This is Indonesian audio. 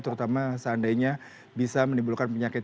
terutama seandainya bisa menimbulkan penyakit